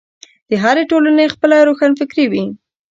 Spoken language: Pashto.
د هرې ټولنې خپله روښانفکري وي.